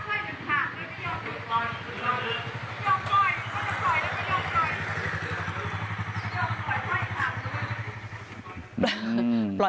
ไม่ยอมปล่อยไม่ยอมปล่อย